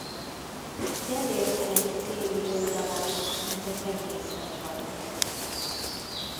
Gellérthegy déli oldalán szinte tenyészett vadon.